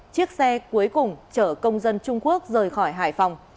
chiếc xe cuối cùng chở công dân trung quốc rời khỏi hải phòng